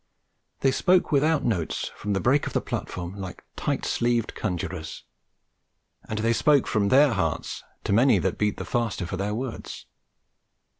They spoke without notes, from the break of the platform, like tight sleeved conjurors; and they spoke from their hearts to many that beat the faster for their words.